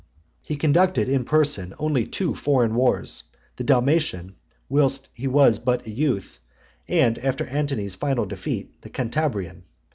XX. He conducted in person only two foreign wars; the Dalmatian, whilst he was yet but a youth; and, after Antony's final defeat, the Cantabrian.